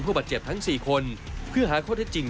บาดเจ็บทั้ง๔คนเพื่อหาข้อเท็จจริง